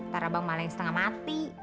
tarabang malah yang setengah mati